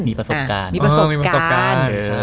มีประสบการณ์